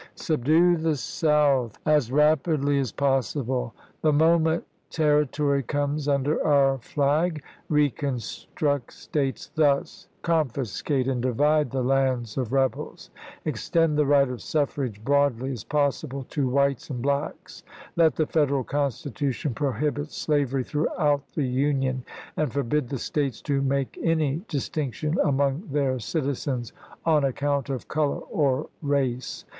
" Subdue the South WENDELL PHILLIPS. THE CLEVELAND CONVENTION 33 as rapidly as possible. The moment territory chap.ii. comes under our flag reconstruct States thus : con fiscate and divide the lands of rebels ; extend the right of suffrage broadly as possible to whites and blacks ; let the Federal Constitution prohibit slav ery thro ughout the Union, and forbid the States to make any distinction among their citizens on ac count of color or race."